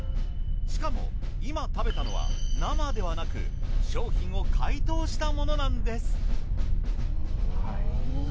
しかも今食べたのは生ではなく商品を解凍したものなんです。